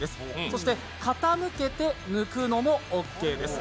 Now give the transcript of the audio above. そして傾けて抜くのもオーケーです。